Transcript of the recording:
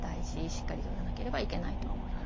しっかりとらなければいけないと思います。